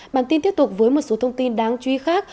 bản tin tiếp tục với một số thông tin đáng chú ý khác